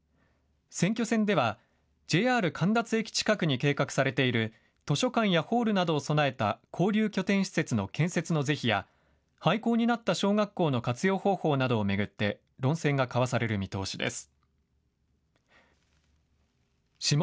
選挙戦ではＪＲ神立駅近くに計画されている図書館やホールなどを備えた交流拠点施設の建設の是非や廃校になった小学校の活用方法などを巡って論戦が交わされる見通しです。